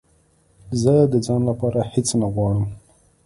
زه د ځان لپاره هېڅ نه غواړم